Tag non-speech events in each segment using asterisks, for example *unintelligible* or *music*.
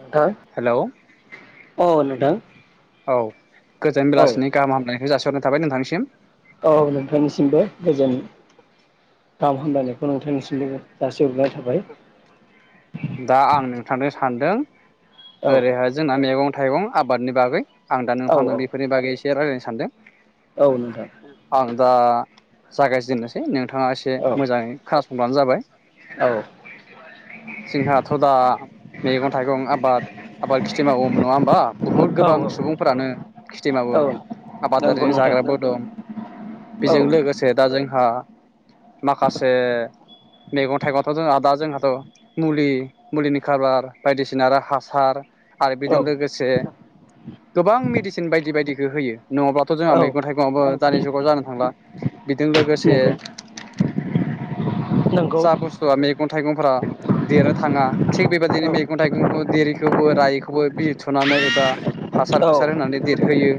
नोथां हेलौ अ‌ नोंथां औ गोजोन औ बेलासिनि गाहाम हामलनायखौ जासि हरनाय थाबाय नोंथांनिसिम। औ नोंथांनिसिमबो गोजोन गाहाम हामलायनायखौ नोंथांनिसिमबो जासिहरबाय। थाबाय। दा आं नोंथांनो सानदों। औ ओरै हा जोंना मैगं थाइगं आबादनि बागै आं दा औ औ नोंथांदों बेफोरनि बागै इसे रायलायनो सानदों। औ नोंथां। आं दा जागायजेननोसै नों थाङा एसे औ मोजाङै खोनासं ब्लानो जाबाय। औ जोंहाथ' दा मैगं थाइगं आबाद आबाद खिथि मावोमोन नङा होमबा बुहुत औ गोबां सुबुंफोरानो खिथि मावो औ नंगौ आबादारिजों नोंथां जाग्राबो दं औ बेजों लोगोसे दा जोंहा। माखासे मैगं थाइगंथ' जोंहा दा जोंहाथ' मुलि मुलिनि कारबार बायदिसिना आरो हासार। आरो बेजों औ लोगोसे गोबां मेडिसिन बायदि बायदिखो होयो। नङाबाथ' जोंहा औ मैगं थाइगंआबो दानि जुग गाव जानो थांला। बिजों लोगोसे। नंगौ नंगौ सा बुस्थुआ मेगन थाइगंफोरा देरनो थाङा थिग औ बेबायदिनो औ मैगं थाइगंखौ देरिखौबो रायिबो बिजि थुनानै बा हासार औ फुसार होनानै देरहोयो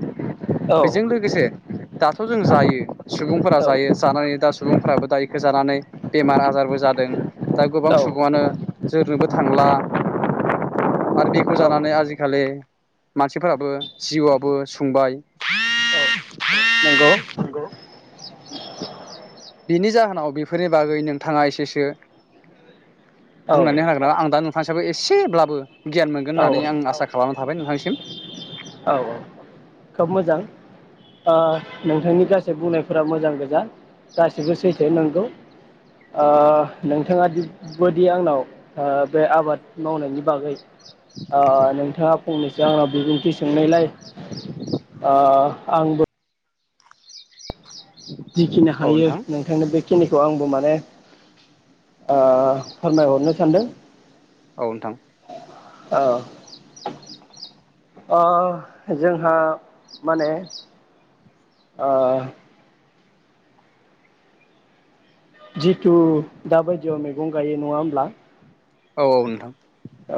औ बेजों लोगोसे दाथ' जों जायो सुबुंफोरा जायो औ जानानै दा सुबुंफोराबो दा इखौ जानानै बेमार आजारबो जादों। दा गोबां औ सु ओ जोरनोबो थांला आरो बेखौ जानानै आजिखालि मानसिफोराबो जिउआबो सुंबाय नोंगौ *inaudible* बिनि जाहोनाव बेफोरनि बागै नोंथाङा एसेसो औ बुंनानै हा आं दा नोंथांसि एसेब्लाबो गियान मोनगोन औ होननानै आं आसा खालामना थाबाय नोंथांसिम। औ खोब मोजां ओ नोंथांनि गासै बुंनायफोरा मोजां गोजा गासिबो सैथो नोंगौ ओ नोंथाङा बिब बादि आंनाव ओ बे आबाद मावनायनि बागै ओ नोंथाङा फंनैसो आंनाव बिबुंथि सोंनायलाय ओ आंबो जिखिना औ हायो नोंथां नोंथांनो बे खिनिखौ आंबो माने ओ फोरमायहरनो सानदों। औ नोंथां। ओ अ जोंहा माने ओ जिथु दाबायदियाव मैगं गायो नङा होमब्ला? औ औ नोंथां। औ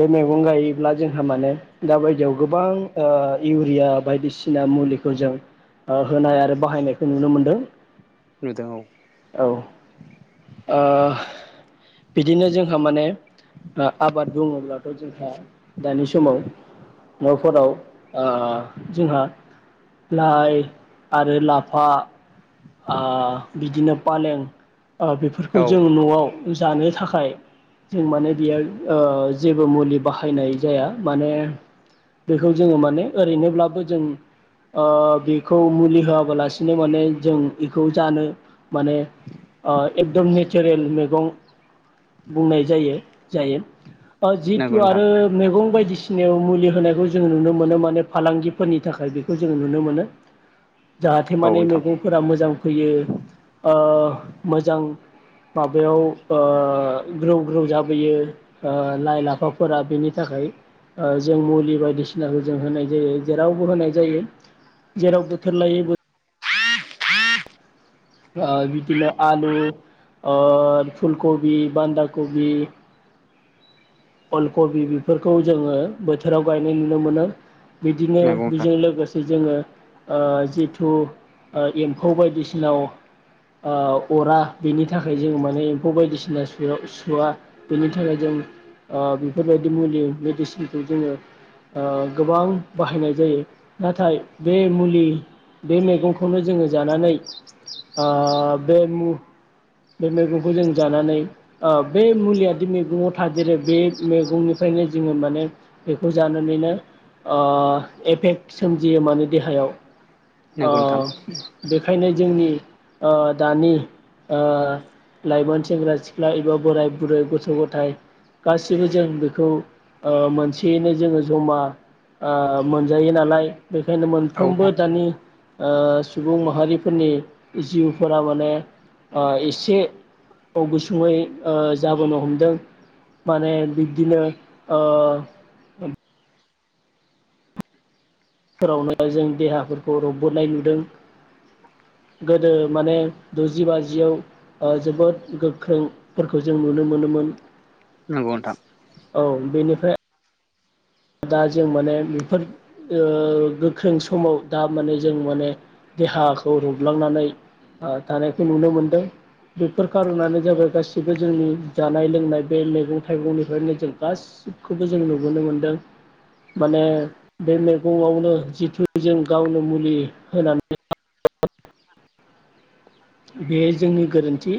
बे मैगं गायोब्ला जोंहा माने दा बायदियाव गोबां ओ इउरिया बायदिसिना मुलिखौ जों ओ होनाय आरो बाहायनायखौ नुनो मोनदों। नुदों औ औ ओ बिदिनो जोंहा माने ओ आबाद बुङोब्लाथ' जोंहा दानि समाव न'फोराव ओ जोंहा लाइ आरो लाफा आ बिदिनो पालें ओ बेफोरखौ औ जों न'आव ओ जानो थाखाय जों माने बेयो ओ जेबो मुलि बाहायनाय जाया माने बेखौ जोङो माने ओरैनोब्लाबो जों ओ बेखौ मुलि होआबालासिनो माने जों बेखौ जानो माने ओ एकदम नेचारेल मेगं बुंनाय जायो जायो। ओ नंगौ जिथु नोंथां आरो मैगं बायदिस सिनायाव मुलि होनायखौ जों नुनो मोनो माने फालांगिफोरनि थाखाय बेखौ जों नुनो मोनो। जाहाथे औ माने नोंथां मैगंफोरा मोज दंफैयो ओ मोजां उ माबायाव ओ ग्रौ ग्रौ जाबोयो ओ लाइ लाफाफोरा बेनि थाखाय ओ जों मुलि बायदिसिनाखौ जों होनाय जायो जेरावबो होनाय जायो जेराव बोथोर लायै बोथ ओ बिदिनो आलु ओ फुलकबि, बान्दा कबि अलकबि बेफोरखौ जोङो बोथोराव गायनाय नुनो मोनो। बिदिनो नंगौ नोंथां बेजों लोगोसे जोङो ओ जिथु ओ एम्फौ बायदिसिनाव ओ अरा बेनि थाखाय जों माने एम्फौ बायदिसिना सोआव सुवा बेनि थाखाय जों ओ बेफोरबायदि मुलि मेडिसिनखौ जोङो ओ गोबां बाहायनाय जायो नाथाय बे मुलि बे मैगंखौनो जोङो जानानै ओ बे मु बे मैगंखौ जों जानानै आब बे मुलियादि मैगङाव थादेरो बे मैगंनिफ्रायनो जोङो माने बेखौ जानानैनो ओ एफेक्ट सोमजियो माने देहायाव नंगौ नोंथां ओब बेखायनो जोंनि ओ दानि ओ लाइमोन सेंग्रा सिख्ला एबा बोराय बुरै गथ' गथाय गासिबो जों बेखौ ओ मोनसेयैनो जोङो जमा ओ मोनजायो नालाय बेख खायनो औ मोनफ्रोमबो नोंथां दानि ओ सुबुं माहारिफोरनि जिउफोरा माने ओ एसे औ गुसुङै ओ जाबोनो हमदों माने बिब्दिनो ओ फोरावनो जों देहाफोरखौ रबबोनाय नुदों गोदो माने द'जि बाजियाव ओ जोबोद गोख्रोंफोरखौ जों नुनो मोनोमोन। नंगौ नोंथां। औ बेनिफ्राय दा जों माने बेफोर ओ गोख्रों समाव दा माने जों माने देहाखौ रबलांनानै ओ थानायखौ नुनो मोनदों बेफोर कारनानो जाबाय गासिबो जोंनि जानाय लोंनाय बे मैगं थाइगंनिफ्रायनो जों गासिबखौबो जों नुबोनो मोनदों। माने बे मैगंङावनो जिथु जों गावनो मुलि होनानै बे जोंनि गोरोन्थि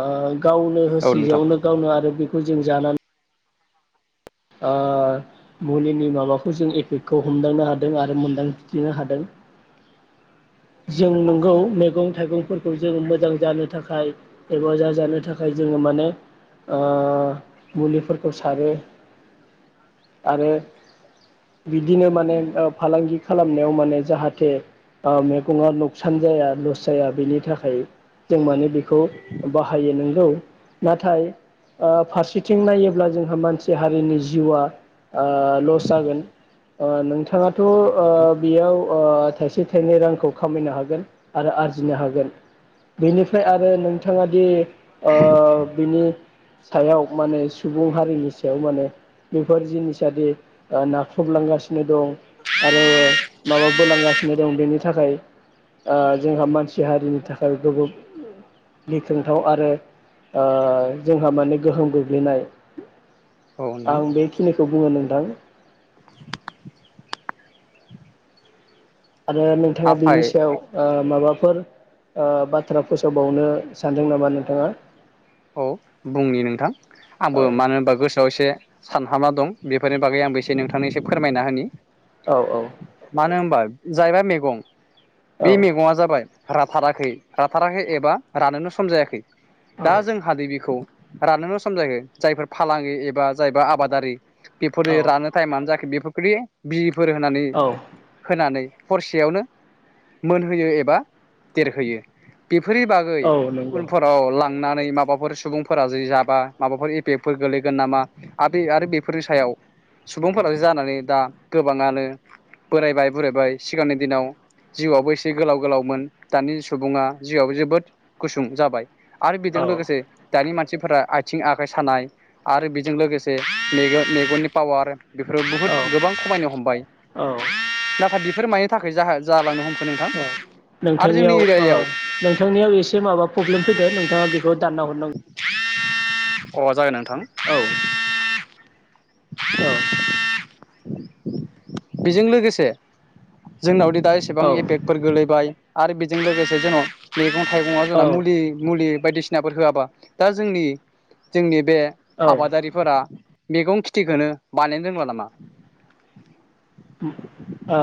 ओ गावनो औ नोंथां होसेयावनो गावनो आरो बिख जों जानानै ओ मुलिनि माबाखौ जों एफेक्टखौ हमदांनो हादों आरो मोनदांथिथिनो हादों जों नंगौ मैगं थाइगंफोरखौ जों मोजां जानो थाखाय एबा जाजानो थाखाय जोंङो माने ओ मुलिफोरखौ सारो आरो बिदिनो माने फालांगि खालामनायाव माने जाहाथे मैगङा नुकसान जाया लस जाया बेनि थाखाय जों माने बेखौ बाहायो नोंगौ नाथाय फारसेथिं नायोब्ला जोंहा मानसिया हारिनि जिउआ आ लस जागोन ओ नोंथाङाथ' नंगौ नोंथां ओ बेयाव ओ थाइसे थाइनै रांखौ खामायनो हागोन आरो आरजिनो हागोन बेनिफ्राय आरो नोंथाङा दि ओ बिनि सायाव माने सुबुं हारिनि सायाव माने बेफोर जिनिसादि नाख्रुबलांगासिनो दं आरो माबाबोलांगासिनो दं बेनि थाखाय जोंहा मानसि हारिनि थाखाय जोबोत गिख्रोंथाव आरो ओ जोंहा माने गोहोम गोग्लैनाय औ नोंथां आं बेखिनिखौ बुङो नोंथां आरो नोंथाङा बिनि आफाय सायाव ओ माबा फोर ओ बाथ्रा फोसावबावनो सानदों नामा नोंथाङा। बुंनि नोंथां औ आंबो मानो होनबा गोसोआव एसे सान हाबना दं बेफोरनि बागै आंबो एसे नोंथांनि एसे फोरमायना होनि औ औ जायबा मेगं बे मेगङा जाबाय राथाराखै-राथाराखै एबा रानोनो सम जायाखै औ दा जों हादै बि खौ रानोनो सम जायाखै जायफोर फालांगि एबा जायबा आबादारि बेफोरो औ रानो टाइमानो जायाखै बे *unintelligible* फोर होनानै औ होनानै हरसेयावनो मोनहोयो एबा देरहोयो बेफोरनि बागै औ नंगौ उनफोराव ला नानै माबाफोर सुबुंफोरा जे जाबा माबाफोर एफेबफोर गोलैगोन नामा आर बे आरो बेफोरनि सायाव सुबुंफोरानो जानानै दा गोबाङानो बोरायबाय बुरायबाय सिगांनि दिनाव जिउआबो एसे गोलाव-गोलावमोन दानि सुबुङा जिउआबो जोबोद गुसुं जाबाय आरो औ बेजों लोगोसे दानि मानसिफोरा आथिं आखाइ सानाय आरो बेजों लोगोसे मेग-मेगननि पावार बेफोराव बुहुद औ गोबां खमायनो हमबाय औ दा दाबिफोर मानि थाखाय जाहा जालांनो हम अ नोंथांनियाव ओ नोंथांनियाव एसे माबा प्रब्लेम फैदो नोंथाङा बेखौ दानना हरनां अ जागोन नों थां औ औ बेजों लोगोसे जोंनाव दि दा एसेबां औ एफेक्टफोर गोलैबाय आरो बेजों लोगोसे जोंनाव मैगं थायगंयाव जोंना औ मुलि-मुलि बायदिसिनाफोर होआबा दा जोंनि जोंनि बे औ ओ आबादारिफोरा मैगं खेथिखोनो बानायनो रोंला नामा। उम ओ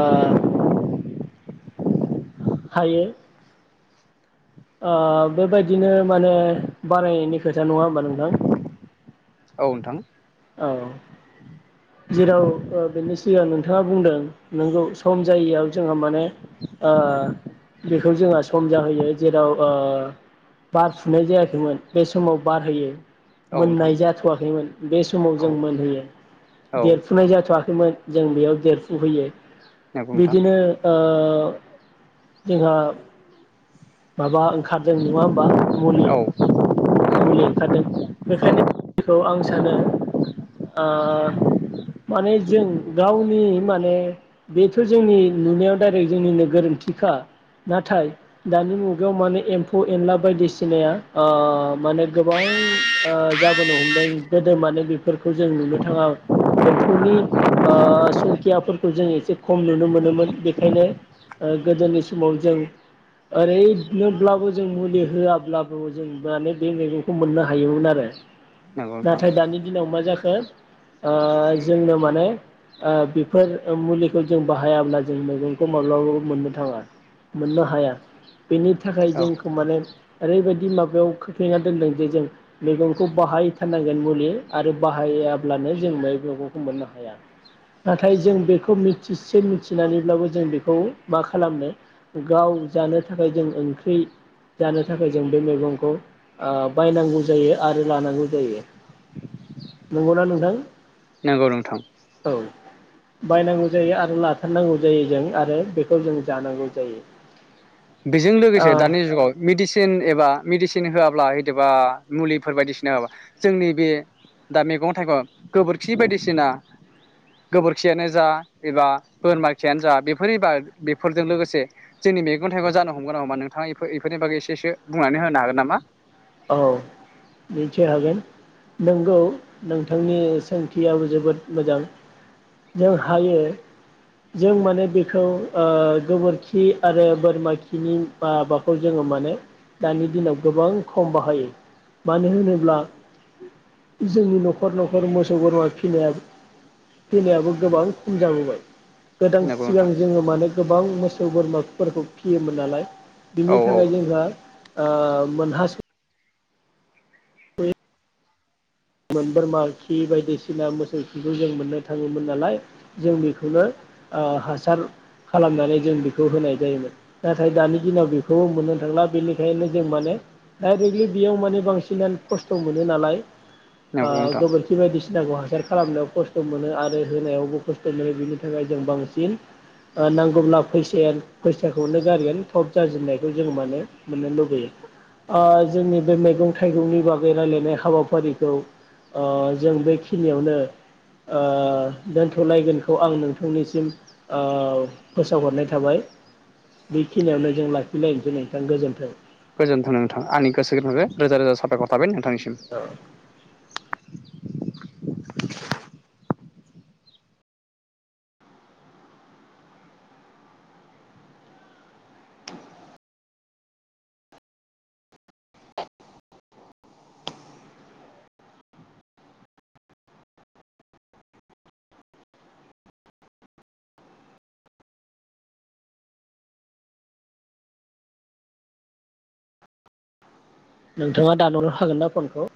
हायो। ओ बेबायदिनो माने बारायनायनि खोथा नङा होमबा नोंथां? औ नोंथां। औ जेराव ओ बेनि सिगां नोंथाङा बुंदों नोंगौ सम जायैयाव जोंहा माने ओ बेखौ जोंहा सम जाहोयो जेराव ओ बारफुनाय जायाखैमोन बे समाव बारहोयो। औ नोंथां मोननाय जाथ'वाखैमोन बे जों औ मोनहोयो औ देरफुनाय जाथ थ'वाखैमोन जों बेयाव देरफु होयो। नंगौ नोंथां बिदिनो ओ ओ जोंहा माबा ओंखारदों नङा होमबा मुलि औ मुलि ओंखारदों बेखायनोखौ आं सानो ओ माने जों गाव नि माने बेफोर जोंनि नुनायाव डाइरेक्ट जोंनिनो गोरोन्थिखा नाथाय दानि मुगायाव माने एम्फौ एनला बायदिसिनाया ओ माने गोबां ओ जाबोनो हमदों गोदो माने बेफोरखौ जों नुनो थाङा एम्फौनि ओ संखियाफोरखौ जों एसे खम नुनो मोनोमोन बेखायनो गोदोनि समाव जों ओरैनोब्लाबो जों मुलि होआब्लाबो जों माने बे मैगंखौ मोननो हायोमोन आरो। नंगौ नोंथां नाथाय दानि दिनाव मा जाखो ओ जोंनो माने ओ बेफोर मुलिखौ जों बाहायाब्ला जों मैगंखौ माब्लाबाबो मोननो थाङा मोननो हाया। बेनि थाखाय औ जोंखौ माने ओरैबायदि माबायाव खोख्लैना दोनदों जे जों मैगंखौ बाहायथारनांगोन मुलि आरो बाहायाब्लानो जों बे मैगंखौ मोननो हाया नाथाय जों बेखौ मिथिसे मिथिनानैब्लाबो जों बेखौ मा खालामनो गाव जानो थाखाय जों ओंख्रि जानो थाखाय जों बे मैगंखौ ओ बायनांगौ जायो आरो लानांगौ जायो नंगौना नोंथां? नोंगौ नोंथां। औ बायनांगौ जायो आरो लाथारनांगौ जायो जों आरो बेखौ जों जानांगौ जायो। बेजों औ लोगोसे दानि जुगाव मेडिसिन एबा मेडिसिन होआब्ला होइदोबा मुलिफोर बायदिसिना जोंनि बे दा मैं थाइगं गोबोरखि बायदिसिना गोबोरखियानो जा एबा बोरमा खियानो जा‌ बेफोरनि बेफोरजों लोगोसे जोंनि मेगं मैगं थाइगं जानो हमगोन ना हमा नोंथाङा इफोर इफोरनि बागै एसेसो बुंनानै होनो हागोन नामा। औ मिथि हागोन नंगौ नोंथांनि सोंथियाबो जोबोद मोजां जों हायो जों माने बेखौ ओ गोबोरखि आरो बोरमा खिनि माबाखौ जोङो माने दानि दिनाव गोबां खम बाहायो मानो होनोब्ला जोंनि नखर नखर मोसौ बोरमा फिनाय फिनायाबो गोबां खम जाबोबाय। गोदान नंगौ सिगां नोंथां जोङो माने गोबां मो मोसौ बोरमाफोरखौ फियोमोन नालाय औ बिनि औ थाखाय जोंहा ओ मोनहासयै मोन बोरमा खि बायदिसिना मोसौ खिखौ जों मोननो थाङोमोन नालाय जों बेखौनो ओ हासार खालामनानै जों बेखौ होनाय जायोमोन नाथाय दानि दिनाव बेखौबो मोननो थांला बेनिखायनो जों माने डाइरेक्टलि बेयाव माने बांसिनानो खस्थ मोनो नालाय ओ नंगौ नोंथां गोबोरखि बायदिसिनाखौ खालामनायाव खस्थ मोनो आरो होनायावबो खस्थ मोनो बिनि थाखाय जों बांसिन ओ-नांगौब्ला। फैसा फैसाखौनो गारगोन। थब जाजेननायखौ जोङो माने मोननो लुुबैयो ओ जोंनि बे मैगं थाइगंनि बागै रायलायनाय हाबाफारिखौ। ओ-जों बेखिनियावनो ओ- दोनथलायगोनखौ आं नोंथांनिसिम ओ- फोसावहरनाय थाबाय बेखिनियावनो जों लाखिलायनोसै नोंथां गोजोन्थों। गोजोनथों नोंथां आंनि गोसो गोरबोनिफ्राय रोजा रोजा साबायखर। फाब *inaudible* नोंथांनिसिम नोंथाङा दानहरनो हागोन ना फनखौ।